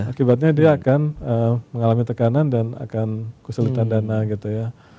akibatnya dia akan mengalami tekanan dan akan kesulitan dana gitu ya